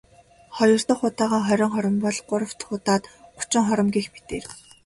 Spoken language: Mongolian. Хоёр дахь удаагаа хорин хором бол.. Гурав дахь удаад гучин хором гэх мэтээр.